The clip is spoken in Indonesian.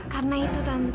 karena itu tante